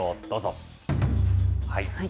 どうぞ。